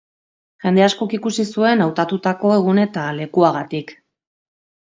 Jende askok ikusi zuen, hautatutako egun eta lekuagatik.